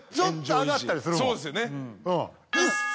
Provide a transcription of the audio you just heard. そうですよね。